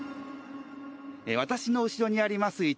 私の後ろにあります